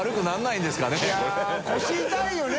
い腰痛いよね？